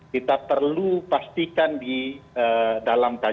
kita perlu pastikan di dalam kajian